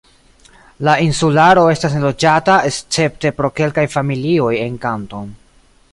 La insularo estas neloĝata escepte pro kelkaj familioj en Kanton.